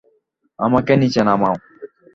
আমাকে নিচে নামাও।